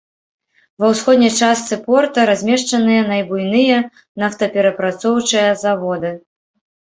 Ва ўсходняй частцы порта размешчаныя найбуйныя нафтаперапрацоўчыя заводы.